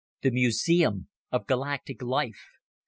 The museum of galactic life!